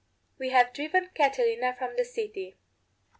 We have driven Catilina from the city!